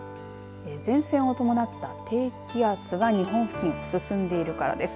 前線を伴った低気圧が日本付近進んでいるからです。